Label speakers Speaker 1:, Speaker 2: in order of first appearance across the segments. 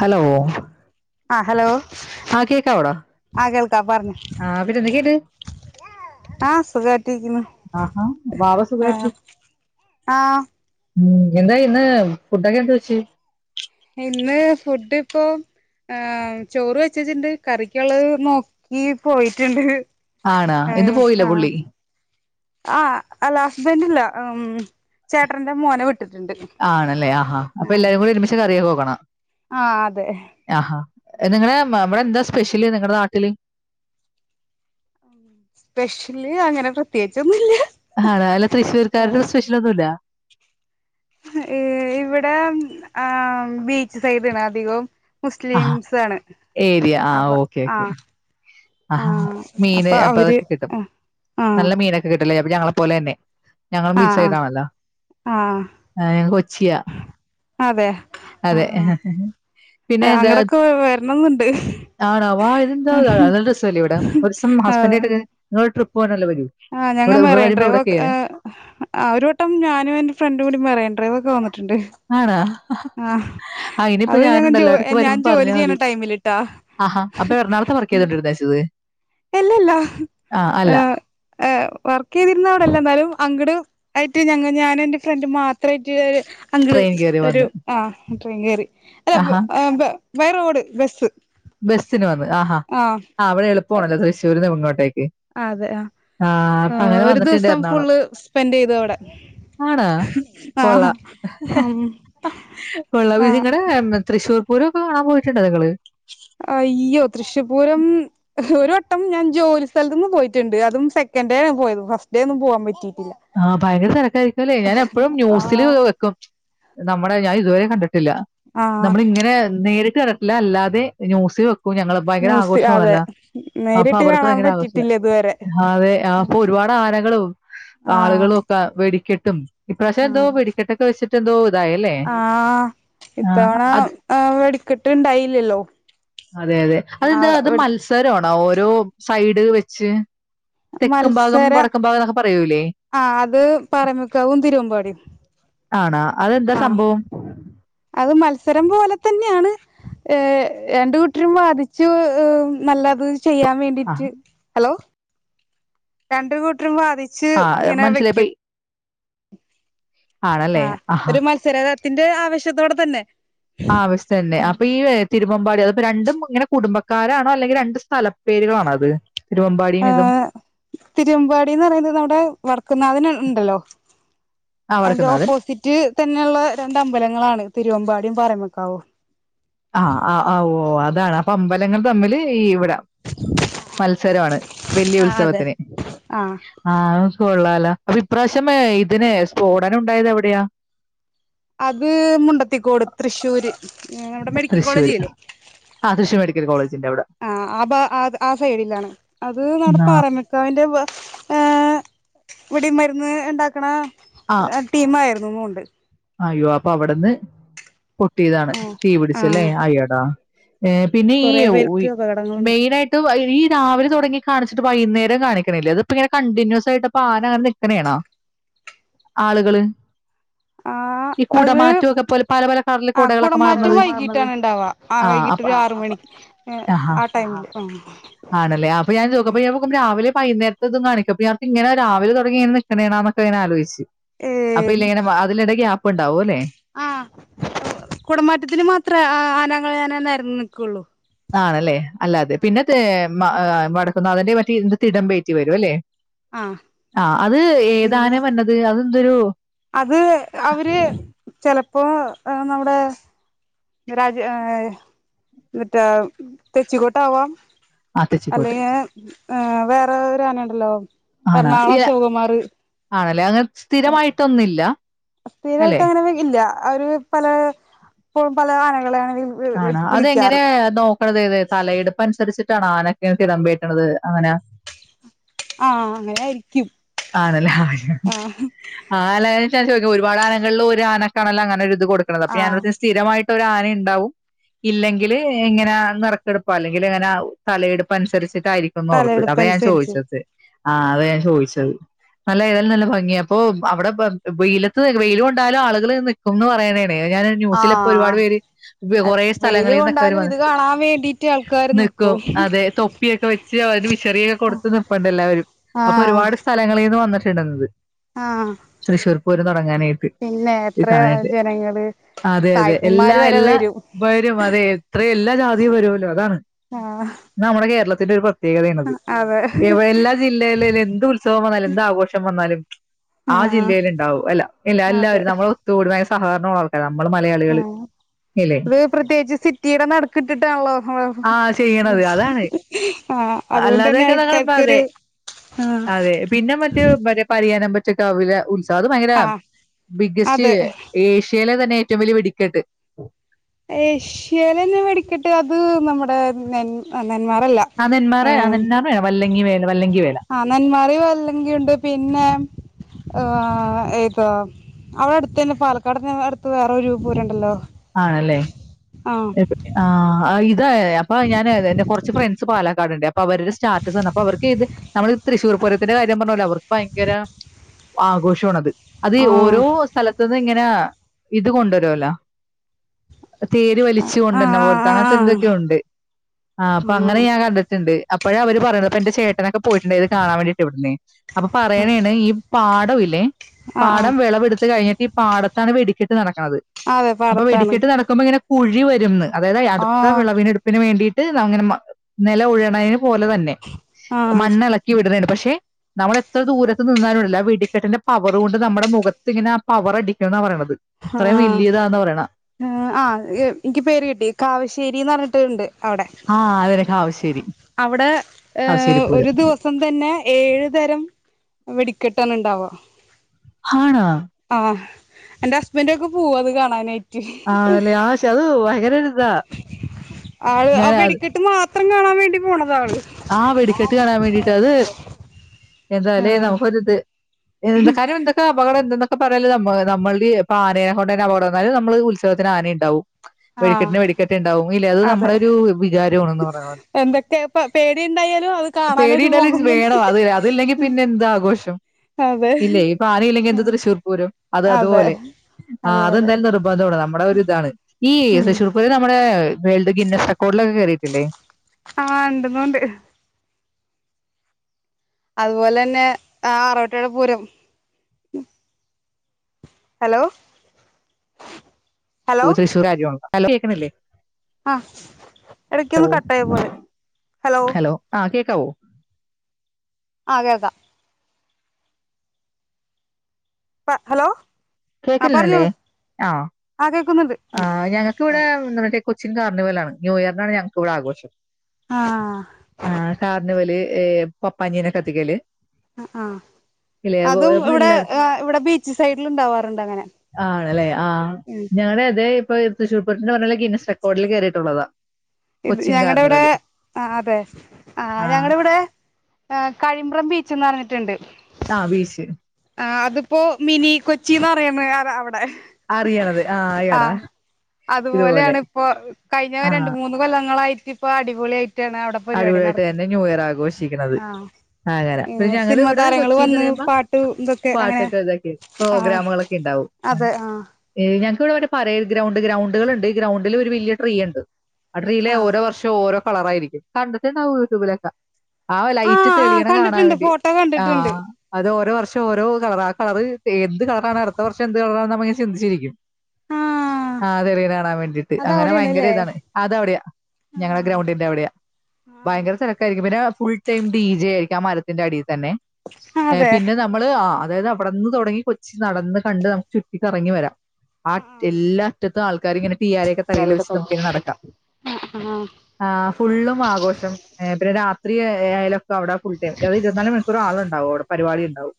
Speaker 1: Hello
Speaker 2: ആഹ് hello
Speaker 1: ആ കേക്കാവോടാ
Speaker 2: ആ കേൾക്കാ പറഞ്ഞു
Speaker 1: ആഹ് പിന്നെ എന്തൊക്കെണ്ട്
Speaker 2: ആ സുഖട്ടിരിക്കുന്നു
Speaker 1: ആഹാ വാവ
Speaker 2: ആ
Speaker 1: സുഖായിട്ടി
Speaker 2: ആ
Speaker 1: ഉം എന്തായി ഇന്ന് ഫുഡൊക്കെ എന്ത്‌ വെച്‌
Speaker 2: ഇപ്പൊ ചോറ് വെച്ചിട്ടുണ്ട് കറിക്കള് നോക്കി പോയിട്ടുണ്ട്
Speaker 1: ആണ എന്ന് പോയില്ലേ പുള്ളി
Speaker 2: ആ അല്ല ഹസ്ബൻഡല്ല ഉം ചേട്ടന്റെ മോനെ വിട്ടി
Speaker 1: ആണല്ലേ ആ ആ അപ്പൊ എല്ലാരും കൂടി ഒരുമിച്ച് കറിയൊക്കെ നോക്കണ
Speaker 2: ആ അതെ
Speaker 1: നിങ്ങളടെ അവിടെ എന്താ സ്പെഷ്യല് നിങ്ങളടെ നാട്ടില്
Speaker 2: സ്പെഷ്യലി അങ്ങനെ പ്രത്യേകിച്ച്
Speaker 1: ആണാ അല്ലാ തൃശൂർക്കാരുടെ സ്പെഷ്യലൊന്നും ഇല്ല
Speaker 2: ഏ ഇവിടെ ആ ബീച്ച് സൈഡണ് അധികം
Speaker 1: ആ ഏരിയ ആ
Speaker 2: അപ്പൊ
Speaker 1: ഓക്കെ ഓക്കെ
Speaker 2: ആഹ്
Speaker 1: ആ
Speaker 2: ആഹ്
Speaker 1: മീന്
Speaker 2: അപ്പൊ
Speaker 1: അപ്പ
Speaker 2: അവര്
Speaker 1: അതൊക്കെ കിട്ടും
Speaker 2: ആഹ് ആഹ്
Speaker 1: നല്ല മീനൊക്കെ കിട്ടല്ലേ അ ഞങ്ങള പോലെന്നെ ഞങ്ങള്
Speaker 2: ആഹ്
Speaker 1: ബീസൈടാണല്ലോ
Speaker 2: ആഹ് ആഹ്
Speaker 1: ആ ഞ കൊച്ചിയാ
Speaker 2: അതെ
Speaker 1: അതെ
Speaker 2: ആഹ്
Speaker 1: പിന്നെ
Speaker 2: ആഹ്
Speaker 1: എന്താ
Speaker 2: അങ്ങടൊക്കെ വരണംന്നുണ്ട്
Speaker 1: ആണോ വ ഇതന്താ രസല്ല ഇവിടെ ഒരുസം ഹസ്ബൻഡ ആട്ട [unintelligible] ഡ്രിപ്പ് പോ [unintelligible]
Speaker 2: ആ ഞങ്ങ മറൈൻ ഡ്രൈവ് ഓ ആ ഒരു വട്ടം ഞാനും എന്റെ ഫ്രണ്ടും കൂടി മറൈൻ ഡ്രൈവ് ഒക്കെ വന്ന
Speaker 1: ആണ ആ ഇനിയിപ്പ
Speaker 2: അത് ഞങ്ങ
Speaker 1: ഞാനുണ്ട്
Speaker 2: ജോ
Speaker 1: എല്ലാവടക്കും
Speaker 2: ഞാൻ
Speaker 1: വരുമ്പോൾ
Speaker 2: ജോലി
Speaker 1: പറഞ്ഞാൽ മതി
Speaker 2: ചെയ്യണ ടൈമിലിട്ടാ
Speaker 1: ആ അപ്പൊ എറണാളത്തെ വർക്ക് ചെയ്തോണ്ടിരുന്ന ദേ
Speaker 2: എല്ലല്ല ആ വർക്ക് ചെയ്തിരുന്ന അവിടല്ല എന്നാലും അങ്ങിട് ആയിട്ട് ഞങ്ങ ഞാന എന്റെ ഫ്രണ്ട് മാത്രമായിട്ട് അങ്ങള്ൾ
Speaker 1: ട്രെയിൻ കേറി
Speaker 2: ഒരു
Speaker 1: വന്ന്.
Speaker 2: ആ ട്രെയിൻ കയറി അല്ലഹ
Speaker 1: ആഹാ!
Speaker 2: ഭാ ഭാ വയറോട് ബസ്സ്
Speaker 1: ബെസ്സിന് വന്ന് ആഹാ
Speaker 2: ആഹ്
Speaker 1: ആ അവിടെ എളുപ്പമാണല്ലോ തൃശൂരിന്ന് മിങ്ങോട്ട്
Speaker 2: അതെ ആ
Speaker 1: അങ്ങനെ
Speaker 2: ഒരു
Speaker 1: വന്നിട്ടുണ്ട്
Speaker 2: ദിവസം
Speaker 1: എറണാകുളം.
Speaker 2: ഫുള്ള് സ്പെൻഡ് ചെയ്തു അവിടെ
Speaker 1: ആണോ?
Speaker 2: ആ ഹാ
Speaker 1: കൊള്ളാം.
Speaker 2: ഹും ആ
Speaker 1: പൂരോക്കെ കാണാൻ പോയിട്ടുണ്ടോ നിങ്ങള്
Speaker 2: അയ്യോ തൃശ്ശൂപൂരം ഒരു വട്ടംഞാൻ ജോലി സ്ഥലത്തുന്ന് പോയിട്ടുണ്ട് അതും സെക്കൻഡ് ഡേ ആണ് പോയത് ഫസ്റ്റ് ഡേ ഒന്നും പോവാൻ പറ്റി
Speaker 1: ആ ഭയങ്കര തിരക്കായിരിക്കും അല്ലേ ഞാൻ എപ്പോഴും ന്യൂസില്
Speaker 2: ആഹ്
Speaker 1: വെക്കും നമ്മുടെ ഞാൻ ഇതുവരെ ട്ടില്ല
Speaker 2: ആഹ്
Speaker 1: നമ്മൾ ഇങ്ങനെ നേരിട്ട് കണ്ടിട്ടില്ല അല്ലാതെ ന്യൂസിൽ വെ ക്കും ഞങ്ങള് ഭയങ്കര
Speaker 2: ന്യൂസ് അതെ
Speaker 1: ആഘോഷമാണല്ലോ അപ്പൊ
Speaker 2: നേരിട്ട്
Speaker 1: അവിടുത്തെ
Speaker 2: കാണാൻ
Speaker 1: ഭയങ്കര ആഘോഷ
Speaker 2: പറ്റിട്ടില്ല ഇതുവരെ
Speaker 1: അതെ അപ്പൊ ഒരുപാട് ആനകളും ആളുകളും
Speaker 2: ആഹ്
Speaker 1: ഒക്കെ വെടിക്കെട്ടും ഇപ്രാവശ്യാം എന്തോ വെടിക്കട്ടൊക്കെ വച് ച്ചെന്തോ
Speaker 2: ആ ഇത്തവണ
Speaker 1: അത്
Speaker 2: വെടിക്കെട്ട് ഇണ്ടായില്ലല്ലോ
Speaker 1: അതെ അതെ
Speaker 2: ആ
Speaker 1: അതെന്താ അത്
Speaker 2: വെടിക്കെ
Speaker 1: മത്സരമാണോ ഓരോ സൈഡ് വെച്ച് തെക്കും ഭാഗം വടക്കും ഭാഗം എന്നൊക്കെ പറയൂല്ലേ
Speaker 2: ആ അത് പറമിക്കാവും തിരുവമ്പാടിം
Speaker 1: ആണോ അതെന്താ
Speaker 2: ആ
Speaker 1: സംഭവം
Speaker 2: അത് മത്സരം പോലെ തന് ന്നെയാണ് രണ്ടുകൂട്ടരും വാധിച്ചു നല്ലത് ചെയ്യാൻ
Speaker 1: ആ
Speaker 2: വേണ്ടീട്ട് ഹലോ രണ്ടു കൂട്ടരും വാ തിച്ചു
Speaker 1: ആ
Speaker 2: ഇങ്ങനെ
Speaker 1: മനസ്സിലായി ഇപ്പൊ
Speaker 2: വെക്കും
Speaker 1: ഈ- ആണല്ലേ
Speaker 2: ആഹ്
Speaker 1: ആഹ
Speaker 2: ഒരു മത്സരത്തിന്റെ ആവേശത്തോടെ തന്നെ
Speaker 1: ആവേഷത്തി തന്നെ അപ്പൊ ഈ തിരുവമ്പാടി അപ്പോ രണ്ടും ഇങ്ങനെ കുടുംബക്കാരാണോ അല്ലെങ്കിൽ രണ്ട് സ്ഥല പേരുകളാണോ അത് തിരുവമ്പാടിയും
Speaker 2: ഹാ
Speaker 1: ഇതും
Speaker 2: തിരുവമ്പാടീന്ന് പറയുന്നത് അവുടെ വടക്കുംനാഥൻ ഉണ്ടല്ലോ
Speaker 1: ആ
Speaker 2: അതിന്റെ
Speaker 1: വടക്കുന്നാഥൻ.
Speaker 2: ഓപ്പോസിറ്റ് തന്നെയുള്ള രണ്ട് അമ്പലങ്ങളാണ് തിരുവമ്പാടിയും പറമേക്കാവും
Speaker 1: ആ ആ് ഓ ഓ അ അതാണ് അപ്പൊ അമ്പലങ്ങൾ തമ്മില് ഇവിടെ ട മത്സരമാണ് വലിയ
Speaker 2: ആഹ് അതെ
Speaker 1: ഉത്സവത്തിന്
Speaker 2: ആഹ്
Speaker 1: ആ കൊള്ളാല അപ്പൊ ഇപ്രാവശ്യം ഇതിന് സ്ഫോടനം ഉണ്ടായത് എവിടെയാ
Speaker 2: അത് മുണ്ടത്തിക്കോട് തൃശ്ശൂര് മെഡിക്കൽ
Speaker 1: തൃശ്ശൂര്.
Speaker 2: കോളേജ്ല്ലേ
Speaker 1: ആ തൃശ്ശൂർ മെഡിക്കൽ കോളേജിന്റെ അവിടെ.
Speaker 2: അ ആ ഭാ അത് ആ സെഡിലാണ് അത് നട
Speaker 1: ആ
Speaker 2: പാറമ്മേൽകാവ് അവന്റെ വാ ഏ ഇവിടെയും മരുന്ന് ഉണ്ടാക്കണ ആ ടീം മായിരുന്നു [unintelligible]
Speaker 1: അയ്യോ അപ്പൊ അവിടെന്ന് പൊട്ടിയതാണ്
Speaker 2: ആഹ്
Speaker 1: തീ പിടിച്ചല്ലേ
Speaker 2: ആഹ്
Speaker 1: അയ്യോടാ ഏ പിന്നെ ഈ
Speaker 2: കൊറേ പേർക്ക് അപകടങ്ങളുണ്ട്
Speaker 1: മെയിനായിട്ട് ഈ രാവിലെ തോ പ്പോ ഇനി കാണിച്ചിട്ട് വൈകുന്നേരം കാണിക്കണില്ലേ അത്പ്പ ഇങ്ങനെ കണ്ടിന്യൂസ്ആയിട്ട് പാ ആന അങ്ങനെ നിക്കണേയാണോ ആളുകള്
Speaker 2: ആ
Speaker 1: ഈ
Speaker 2: അത്
Speaker 1: കുടമാറ്റൊക്കെ പോലെ പല പല കളറില്
Speaker 2: ആ
Speaker 1: കുടകളൊക്കെ
Speaker 2: കുടമാറ്റം
Speaker 1: മാറണത്.
Speaker 2: വൈകിട്ടാണ് ഇണ്ടവാ ആ
Speaker 1: ആഹ്
Speaker 2: വൈകിട്ട്
Speaker 1: അപ്പൊ
Speaker 2: ഒരു ആറ് മണിക്ക്
Speaker 1: ആഹാ
Speaker 2: ആ ടൈമില് ആ മ്
Speaker 1: വൈകുന്നേരത്തും കാണിക്കപ്പ ഞാനോർത്ത് ഇങ്ങനെ രാവിലെ തൊടങ്ങി ഇങ്ങനെ നിക്കണേ യാണോന്നോക്കെയാലോചിച്ച്
Speaker 2: ഏ
Speaker 1: അപ്പൊ ല്ലേ എങ്ങനെ വാതിലടക്കാം ഇപ്പണ്ടാവു അല്ലേ?
Speaker 2: ആ കുടമാറ്റത്തിന് മാത്രേ ആ ആ ആനാകളങ്ങനെ നിരന്ന് നിൽക്കുള്ളൂ
Speaker 1: ആണല്ലേ അല്ലതെ പിന്നെ തേ മാ വടക്കുന്നനാഥന്റെ പറ്റി ഇന്ന് തിടംബേറ്റി വരും അല്ലേ
Speaker 2: ആ
Speaker 1: ആ അത് ഏതാന
Speaker 2: പിന്നെ
Speaker 1: വന്നത് അത് ഇതൊരു
Speaker 2: അത് അവര് ചില ഇപ്പൊ നമ്മുടെ രാജ എ മെറ്റെ തെച്ചിക്കോട്ട ആവാം
Speaker 1: ആഹ്
Speaker 2: അല്ലെ
Speaker 1: തെച്ചിക്കോട്ട്
Speaker 2: ആഏഹ വേറെ ഒരാന ഉണ്ടല്ലോ
Speaker 1: ആണോ? ഈ
Speaker 2: എർണാകുളംശിവകുമാറ്
Speaker 1: ആണല്ലേ അങ്ങെ സ്ഥിരമായിട്ടൊന്നില്ല അല്ലെ
Speaker 2: സ്ഥിരായിട്ട് അങ്ങനെ ഇല്ല അവര് പലപ്പോഴു പല ആനകളിങ്ങനെ
Speaker 1: ആണാ അതെങ്ങനെ ഒന്ന് മു അതെഅതെ തലയിെടുപ്പ് അനുസരിച്ചിട്ടാണ് ആനൊക്കെ കിടം ബേറ്റണത് അങ്ങനെ
Speaker 2: ആ അങ്ങനെ ആയിരിക്കും
Speaker 1: ആണല്ലേ ആ ആല ച ചോദിക്ക ഒരുപാട്ആനകളില് ഒരു ആനാക്കടലാ കണ്ടി ത് കൊടുക്കണത് അപ്പ
Speaker 2: ആഹ്
Speaker 1: ഞാനോർത്തു സ്ഥരമായിട്ട് ത് ഒരാനയുണ്ടാവും ഇല്ലെങ്കില് എങ്ങനെ നറുക്കെടുപ്പ് അല്ലെങ്കിൽ എങ്ങനെ തലയെടുപ്പ് അനുസരിച്ച് യിരിക്കുംന്ന് ഓർത്ത് അതാ ഞാൻ
Speaker 2: കാലയെടുപ്പനുസരിച്ച്
Speaker 1: ചോദിച്ചത് ആ അതാ ഞാൻ ചോദിച്ചത് നല്ല എതളിന് നല്ല ഭംഗിയാ അപ്പൊ അവിടെ വെയിലത്ത് വെയിലു കൊണ്ടാലും ആളുകള് നിക്കുംന്ന് പറയണ്ടായിരുന്നു വേറെ ആരാ ന്യൂസിലൊക്കെ ഒരുപാട്
Speaker 2: ആഹ്
Speaker 1: പേര് കൊറേ
Speaker 2: വെയില്
Speaker 1: സ്ഥലങ്ങളിന്നൊക്കെ അവര്
Speaker 2: കൊണ്ടാലും ഇത്
Speaker 1: വന്നിട്ട്
Speaker 2: കാണാൻ വേണ്ടീട്ട് ആൾക്കാര്
Speaker 1: നിക്കും അതെ തൊപ്പിയൊക്കെ വെച്ച് അവര് വിശറിയൊക്കെ കൊടുത്ത് നിപ്പുണ്ട് എല്ലാവരും അപ്പൊ ഒരുപാട് എന്ന് വന്നിട്ടുണ്ടെന്ന്
Speaker 2: ആ.. അ
Speaker 1: [unintelligible] വാങ്ങന്നായിട്ട് ഈ സമയത്ത്
Speaker 2: ജനങ്ങള്
Speaker 1: അതെ അതെ എല്ലാ
Speaker 2: സായിപ്പന്മാര് വരെ
Speaker 1: എല്ലാ
Speaker 2: വരും
Speaker 1: വരും അതെ ഇ എത്ര എല്ലാ ജാതീം വരുവല്ലോ അതാണ്
Speaker 2: ആഹ്
Speaker 1: നമ്മളെ കേരളത്തില് [unintelligible] പ്രത്യേകതയാണത്.
Speaker 2: അതെ
Speaker 1: എല്ലാ ജില്ലയിലെ എന്ത്‌ ഉത്സവം വന്നാലും എന്ത്‌ ആഘോഷം വന്നാലും- ആ
Speaker 2: ആഹ്
Speaker 1: ജില്ലയിൽ ഉണ്ടാവും അല്ല ഇല്ല എല്ലാവരും നമ്മള് ഒത്തുകൂടും [unintelligible]
Speaker 2: ആ അത് പ്രത്യേകിച്ച് സിറ്റീടെ നടു ക്ക്ട്ടിട്ടാണല്ലോ
Speaker 1: ആ ചെയ്യണത് അതാണ്
Speaker 2: ആ അതുകൊണ്ട് തന്നെ
Speaker 1: അല്ലാതെയൊക്കെ ഞങ്ങളിപ്പോ
Speaker 2: ആൾക്കാർക്കൊരു
Speaker 1: അതെ
Speaker 2: ആ
Speaker 1: അതെ പിന്നെ മറ്റേ മറ്റെ പരിയാനം പറ്റ- [unintelligible] അത് ഭയങ്കര
Speaker 2: ആഹ്
Speaker 1: ബിഗ്ഗസ്റ്റ്
Speaker 2: അതെ
Speaker 1: ഏഷ്യയിലെ തന്നെ ഏറ്റവും വലിയ വെടിക്കെട്ട്
Speaker 2: ഏഷ്യയിലന്നെ വെടിക്കെട്ട് അത് നമ്മുടെ നെ
Speaker 1: ആ നെന്മാറ ആ നെന്മാറ വല്ലങ്കി വേല വല്ലങ്കി വേല
Speaker 2: ആ നന്മാറ വല്ലങ്കീണ്ട് പിന്നെ ഹ് ഏത അവിടെ അടുത്തന്നെ പാലക്കാട് തന്നെ അടുത്ത് വേറൊരു പൂരണ്ടല്ലോ
Speaker 1: ആണല്ലേ
Speaker 2: ആഹ്
Speaker 1: ആഹ് [unintelligible] അപ്പേ ഞാന് എന്റെ കൊർച്ചു ഫ്രണ്ട്സ് പാലക്കാട്ണ്ട് അപ്പൊ അവരുടെ സ്റ്റാറ്റസ് കണ്ട് അപ്പൊ അവർക്കിത് നമ്മള് തൃശ്ശൂർ പൂരത്തിന്റെ കാര്യം പർഞ്ഞപോലെ അവർക്ക് ഭയ്ങ്കര ആഘോഷാണത് അത്
Speaker 2: ആഹ്
Speaker 1: ഓരോ സ്ഥലത്ത് അത് ഇങ്ങനെ ഇത് കൊണ്ടുവരോല്ലോ തേര് വലിച്ച് കൊണ്ട്
Speaker 2: ആഹ്
Speaker 1: വര്ണ പോലത്തെ
Speaker 2: ആഹ്
Speaker 1: അങ്ങനത്തെ
Speaker 2: ആഹ്
Speaker 1: എന്തൊക്കെ ഉണ്ട് ആ അപ്പൊ അങ്ങനെ ഞാൻ കണ്ടിട്ടുണ്ട് അപ്പൊഴ അവര് പറയണത് എന്റെ ചേട്ടനൊക്കെ പോയിട്ടുണ്ടായിന്നു ഇത് കാണാൻ വേണ്ടിട്ട് ഇവിടുന്നെ അപ്പൊ പറയണേണ് ഈ പാടവില്ലേ
Speaker 2: ആഹ് ആഹ് ആഹ് ആഹ്
Speaker 1: പാടം വെളവെടുത്ത് കഴിഞ്ഞിട്ട് ഇ പാടത്താണ് വെടിക്കെട്ട് നടക്ണത്
Speaker 2: അതെ
Speaker 1: അപ്പൊ
Speaker 2: പാടത്താണ്
Speaker 1: വെടിക്കെട്ട് നടക്കുമ്പങ്ങനെ കുഴി വരുംന്ന് അതായത് അടുത്ത
Speaker 2: ആഹ്
Speaker 1: വിളവിനെടുപ്പിന് വേണ്ടിട്ട് [unintelligible] നെല ഉഴണേന് പോലെ തന്നെ
Speaker 2: ആഹ്
Speaker 1: മണ്ണെളക്കി വിടടെണ് പക്ഷേ എ നമ്മളെത്ര ദൂരത്ത് നിന്നാലുല്ലേ ആ വെടിക്കെട്ടിന്റെ പവർ കൊണ്ട് നമ്മുടെ മുഖത്ത് ഇങ്ങനെ ആ പവർ അടിക്കുംന്ന പറയണത് അത്രയും വല്യതാന്ന പറയണ്‌
Speaker 2: ആഹ് ആഹ് എനിക്ക് പേര് കിട്ടി കാവശ്ശേരിന്ന് പറഞ്ഞിട്ടണ്ട്.
Speaker 1: ആഹ് അതന കാവശ്ശേരി.
Speaker 2: അവിടെ
Speaker 1: കാവശ്ശേരി
Speaker 2: ഏഹ്
Speaker 1: പൂരം.
Speaker 2: ഒരു ദിവസം തന്നെ ഏഴു തരം വെടിക്കെട്ടന്ന ഇണ്ടാവ
Speaker 1: ഹണാ
Speaker 2: ആഹ് എന്റെ ഹസ്ബന്ഡൊക്കെ പോവും അത് കാണാനായിട്ട്
Speaker 1: ആണല്ലേ ആ അത് പക്ഷേ ഭയങ്കര ഒരു ഇതാ
Speaker 2: ആള് ആ
Speaker 1: ഞാനത്
Speaker 2: വെടിക്കെട്ട് മാത്രം കാണാൻ വേണ്ടി [inaudible]
Speaker 1: ആ വെടിക്കെട്ട് കാണാൻ വേണ്ടിട്ട് അത് എന്തായാലും
Speaker 2: ആഹ്
Speaker 1: നമുക്കൊരിത് എന്ത കാര്യം എന്തക്ക അപകടം എന്നത ഒക്കെ പറയോ നമ്മളുടെ ഇപ്പൊ ആനയെ കൊണ്ട് തന്നെ അവിടെ വന്നാലും നമ്മള് ഉത്സവത്തിന് ആന ഉണ്ടാവും
Speaker 2: ആഹ്
Speaker 1: വെടിക്കെട്ടന് വെടിക്കെട്ട ഉണ്ടാവും ഇല്ല അത് നമ്മള
Speaker 2: അതെ
Speaker 1: ഒരു വികാര ആണന്ന് പറയണപോലെ
Speaker 2: എന്തൊക്കെ പ പേടിണ്ടായാലും അത് കാണാനൊരു
Speaker 1: പേടിണ്ടാല
Speaker 2: മോഹം കൊണ്ട്
Speaker 1: വേണം അത് അതില്ലെങ്കിൽ പിന്നെ എന്താകും വശ്
Speaker 2: അതെ
Speaker 1: ഇല്ലേ ഇപ്പ ആനയില്ലെങ്കിൽ എന്ത്
Speaker 2: ആഹ്
Speaker 1: തൃശ്ശൂർ പൂരം അത്
Speaker 2: അതെ
Speaker 1: അതുപോലെ ആ
Speaker 2: അതുപോലെ
Speaker 1: അതെന്തായാലും നിർബന്ധമാണ് നമ്മുടെരി ഇതാണ് ഈ
Speaker 2: ഉം
Speaker 1: തൃശ്ശൂർ പൂര് നമ്മടെ വേൾഡ് ഗിനെസ്സ് റെക്കോർഡ് ഒകെ കേറിട്ടില്ലേ
Speaker 2: ആഹ് ഉണ്ടന്നോണ്ട് അതുപോലെ തന്നെ അറോട്ടയുടെ പൂരം ഹലോ ഹലോ
Speaker 1: തൃശൂർ കാര്യം ഹലോ കേക്കണല്ലേ?
Speaker 2: ആഹ് ഇടക്കൊന്ന് കട്ടായ പോലെ ഹലോ
Speaker 1: ട്ടൗ
Speaker 2: ആകത പ ഹലോ ആഹ്
Speaker 1: കേക്കല്ലേ
Speaker 2: പറഞ്ഞോളൂ
Speaker 1: ആ
Speaker 2: ആഹ് കേക്കുന്നുണ്ട്
Speaker 1: ആഹ് ഞങ്ങക്കവിടെ നമ്മട് കൊച്ചികാർ ണിവൽ ആണ് ന്യൂ ഇയർ ഞങ്ങൾക്ക് ഇവിടെഘോഷം
Speaker 2: ആഹ്
Speaker 1: ആഹ് കാർണിവല് ഏഹ് പപ്പാനീനെ കത്തിക്കല്
Speaker 2: ആഹ്
Speaker 1: ഇല്ലേ
Speaker 2: അതും
Speaker 1: ഇപ്പ
Speaker 2: ഇവിടെ
Speaker 1: എല്ലാട
Speaker 2: ഇവിടെ ബീച്ച് സൈഡിൽ ഉണ്ടാവാർ
Speaker 1: ആണല്ലേ ആ ഞങ്ങൾ അതെ ഇപ്പൊ തൃശൂർ പൂരം പറഞ്ഞ പോലെ ഗിനസ് റെക്കോർഡിൽ കയറിയിട്ടുള്ളതാ
Speaker 2: ഇത് ഞങ്ങളുടെ ഇവിടെ ആഹ് അതെ ആഹ് ഞങ്ങളടെ ഇവിടെ കഴിമ്പ്രം ബീച്ച്ന്ന് പറഞ്ഞിട്ടുണ്ട്
Speaker 1: ആ വിശ്
Speaker 2: ആഹ്ആ അതിപ്പോ മിനി കൊച്ചിന്ന് അറിയണ അവിടെ
Speaker 1: അറിയണത് ആഹ്
Speaker 2: ആഹ്ആ
Speaker 1: യടാ ഇതുപോലെ
Speaker 2: അതുപോലെയാണ് ഇപ്പ കയിഞ്ഞ് രണ്ട്
Speaker 1: ആഹ്
Speaker 2: മൂന്ന് കൊല്ലങ്ങളായി ഇപ്പ അടിപൊളായി
Speaker 1: അടിപൊളിയായിട്ട് തന്നെ ന്യൂ ഇയർ ആഘോഷിക്കുന്നത് അങ്ങന പിന്നെ
Speaker 2: ആഹ്
Speaker 1: ഞങ്ങ
Speaker 2: സിനിമ
Speaker 1: ഇവിടെ
Speaker 2: താരങ്ങൾ
Speaker 1: കൊച്ചിന്ന്
Speaker 2: വന്ന്
Speaker 1: പറയുമ്പോ
Speaker 2: പാട്ട് ഇതൊക്കെ അങ്ങനെ
Speaker 1: പാട്ടൊക്കെ ഇതൊക്കെ
Speaker 2: ആഹ്
Speaker 1: പ്രോഗ്രാമുകളൊക്കെ ഉണ്ടാവും
Speaker 2: അതെ ആഹ്
Speaker 1: ഞ ഇഹ് ഇവിടെ പറയ ഗ്രൗണ്ട് ഗ്രൗണ്ടുകൾുണ്ട് ഗ്രൗണ്ടിൽ ഒരു വലിയ ട്രീ ഉണ്ട് അടറിയില
Speaker 2: ആഹ്
Speaker 1: ഓരോ വർഷവും ഓരോ കളറായരിക്കും കണ്ടത്തി നാ യൂട്യൂബിലേക്കാം ആ ലൈറ്റ്
Speaker 2: ആഹ് ആഹ്
Speaker 1: തെളിയണം കാണാൻ
Speaker 2: കണ്ടിട്ടുണ്ട്
Speaker 1: വേണ്ടി
Speaker 2: ഫോട്ടോ
Speaker 1: ആ
Speaker 2: കണ്ടിട്ടുണ്ട്
Speaker 1: അത് ഓരോ പക്ഷെ ഓരോ കളർ ആ കളർ എന്ത് കളറാണ്ണ് അടുത്ത വർഷം എന്ത് കളറാണ് നമ്മ ഇങ്ങനെ ചിന്തിച്ചിരിക്കും
Speaker 2: ആഹ്
Speaker 1: ആ തെളിയ കാണാൻ വേണ്ടീട്ട് അങ്ങനെ ഭയങ്കര
Speaker 2: അതവിടെയാണല്ലേ
Speaker 1: ഇതാണ് അത അവിടെയാ ഞങ്ങളുടെ
Speaker 2: ആഹ്
Speaker 1: ഗ്രൗണ്ടിന്റെ അവിടെയാ
Speaker 2: ആഹ്
Speaker 1: ഭയങ്കര തിരക്കായിരിക്കും പിന്നെ ഫുൾ ടൈം ഡി ജെ ആയിരിക്കും ക്യാ മരത്തിന്റെ അടിന്ന് തന്നെ
Speaker 2: അതെ
Speaker 1: പിന്നെ നമ്മള് ആഹ്ആ അതാത് അവിടെന്ന് തൊടങ്ങി കൊച്ചി നടന്ന് കണ്ട് നമക്ക് ചുറ്റിക്കിറങ്ങി വരാം ആഹ് എല്ലാറ്റത്തും ആൾക്കാ ക്കരിങ്ങനെ പിയാരെക്കെ തലെല് വെച്ച് നമക്കിഞനെ നടക്കാം
Speaker 2: ആഹ്
Speaker 1: ആ ഫുള്ളും ആഘോഷംപിന്നെ രാത്രിയാല അടെ ഫുൾ ടൈ അത് ഇരുപനാല് മണിക്കൂർ ആള ഉണ്ടാവും അവിടെ പരിപാടി ഉണ്ടാവും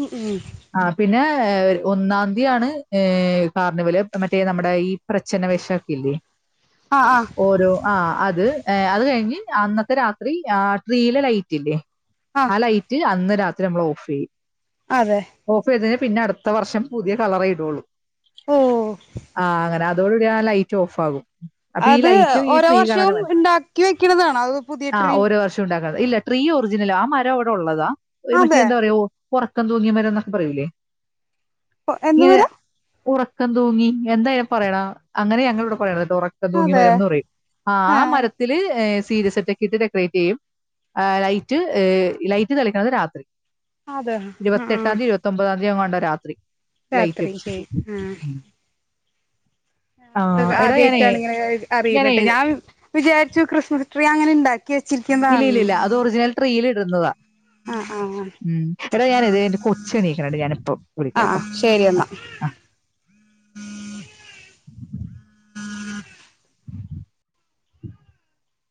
Speaker 2: ഉം ഉം
Speaker 1: ആഹ്ആ പിന്നെ ഏഹ് ഒന്നാം തീയാണ് കാർണിവല് മറ്റേ നമ്മുടെ ഈഹ് പ്രച്ചഛന വശാക്കില്ലേ
Speaker 2: ആഹ് ആഹ്
Speaker 1: ഓരോ ആഹ്ആ അത് ഏഹ് അത് കഴിഞ്ഞ് അന്നത്തെ രാത്രി ആ ട്രീയിലെ ലൈറ്റ്ല്ലേ
Speaker 2: ആഹ്
Speaker 1: ആഹ്ആ ലൈറ്റ് അന്ന് രാത്രി നമ്മളോഫ് ചെയും
Speaker 2: അതെ
Speaker 1: ഓഫേ നേ പിന്നട്ത്ത വർഷം പുതിയ കളർ ഇടള്ളൂ
Speaker 2: ഓ
Speaker 1: ആഹ്ആ അങ്ങനെ ആ അതോട് കൂടി ആ ലൈറ്റ് ഓഫ് ആകും അപ്പൊ ഈ
Speaker 2: അത്
Speaker 1: ലൈറ്റും ഈ
Speaker 2: ഓരോ
Speaker 1: ട്രീ
Speaker 2: വർഷോം
Speaker 1: കാണാനാ
Speaker 2: ഇണ്ട് ആക്കി വെക്കണതാണ പുതിയ
Speaker 1: ആ
Speaker 2: ട്രീ
Speaker 1: ഓരോ വർഷം ഇല്ല ട്രീ ഒറിജിനൽ ആ മരം അവിടെ ഉള്ളതാ ഒരു മറ്റേ
Speaker 2: അതെ
Speaker 1: എന്താ പറയാ ഓ ഉറക്കം തൂങ്ങിയ മരം എന്നൊക്കെ പറയൂലേ
Speaker 2: എന്ന്
Speaker 1: ഇങ്ങനെ
Speaker 2: വരാ
Speaker 1: ഉറ ഉറക്കം തൂങ്ങി എന്താ അയിനെ പറയാട അങ്ങനെ ഞങ്ങൾ ഇവിടെ പറയാറ് ഉറക്കംതൂങ്ങി
Speaker 2: അതെ
Speaker 1: മരംന്ന് പറയും ആ
Speaker 2: ആഹ്
Speaker 1: മര സീരിസെറ്റൊക്കെ ഇട്ട് ഡെക്കറേറ്റ് ചെയ്യും ലൈറ്റ് ലൈറ്റ് തെളിക്കണത് രാത്രി
Speaker 2: അതെ
Speaker 1: ഇരുപത്തി
Speaker 2: ആഹ്
Speaker 1: എട്ടാന്തി ഇരുപത്തി ഒമ്പതാംതി ആണ്ട രാത്രി ലൈറ്റ്
Speaker 2: രാത്രി
Speaker 1: ഇടും.
Speaker 2: [unintelligible] ആ
Speaker 1: ഉം.
Speaker 2: ആ അതൊക്കെ
Speaker 1: എടാ ഞാനേ
Speaker 2: ആദ്യായിട്ടാണ് ഇങ്ങനെ അറിയണ്
Speaker 1: ഞാനേ
Speaker 2: ട്ടാ ഞാൻ വിചാരിച്ചു ക്രിസ്മസ് ട്രീ അങ്ങനെ ഇണ്ടാക്കി
Speaker 1: ഇല്ല ഇല്ല ഇല്ല അത് ഒറിജിനൽ ട്രീല് ഇടുന്നതാ
Speaker 2: ആഹ് ആഹ്
Speaker 1: ഉം എടാ ഞാനെ ദേ എന്റെ കൊച്ച് എണീക്കണണ്ട് ഞാനിപ്പം
Speaker 2: ആഹ് ശരി എന്നാ
Speaker 1: വിളിക്കാട്ടോ